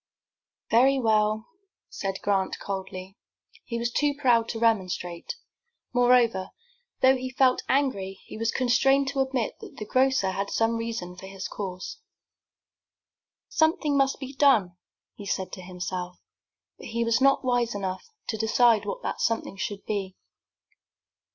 "Very well," said Grant, coldly. He was too proud to remonstrate. Moreover, though he felt angry, he was constrained to admit that the grocer had some reason for his course. "Something must be done," he said to himself, but he was not wise enough to decide what that something should be.